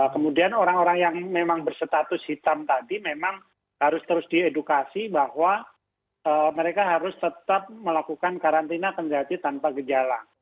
kemudian orang orang yang memang berstatus hitam tadi memang harus terus diedukasi bahwa mereka harus tetap melakukan karantina kendati tanpa gejala